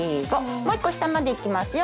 もう１個下まで行きますよ。